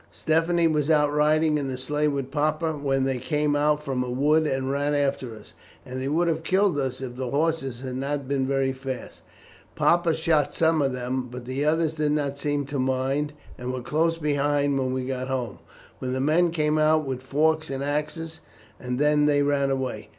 Stephanie was out riding in the sleigh with papa, when they came out from a wood and ran after us, and they would have killed us if the horses had not been very fast. Papa shot some of them, but the others did not seem to mind, and were close behind when we got home, where the men came out with forks and axes, and then they ran away.